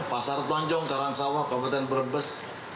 pasar tanjong karangsawah kabupaten brebes